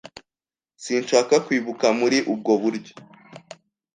Sinshaka kwibuka muri ubwo buryo